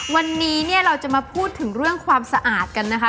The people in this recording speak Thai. วันนี้เนี่ยเราจะมาพูดถึงเรื่องความสะอาดกันนะคะ